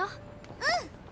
うん！